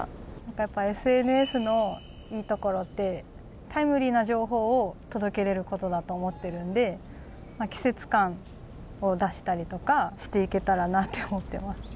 やっぱりＳＮＳのいいところってタイムリーな情報を届けられる事だと思ってるんで季節感を出したりとかしていけたらなって思ってます。